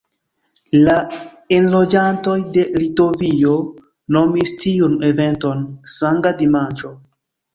La enloĝantoj de Litovio nomis tiun eventon "Sanga Dimanĉo".